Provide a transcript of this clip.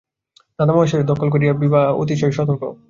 দাদামহাশয়ের দখল লইয়া বিভা অতিশয় সতর্ক।